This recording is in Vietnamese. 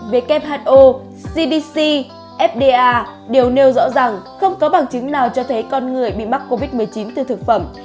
who cdc fda đều nêu rõ rằng không có bằng chứng nào cho thấy con người bị mắc covid một mươi chín từ thực phẩm